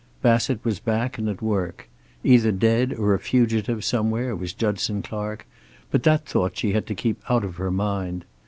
Bassett was back and at work. Either dead or a fugitive somewhere was Judson Clark, but that thought she had to keep out of her mind.